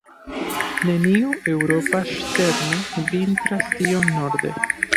Neniu eŭropa ŝterno vintras tiom norde.